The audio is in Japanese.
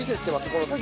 この先の。